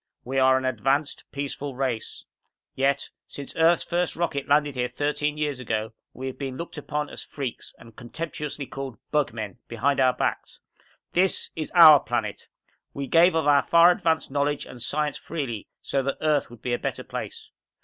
We are an advanced, peaceful race. Yet, since Earth's first rocket landed here thirteen years ago, we have been looked upon as freaks and contemptuously called 'bug men' behind our backs! This is our planet. We gave of our far advanced knowledge and science freely, so that Earth would be a better place.